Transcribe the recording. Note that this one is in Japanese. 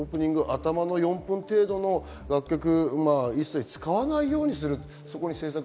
４分程度の楽曲、一切使わないようにする。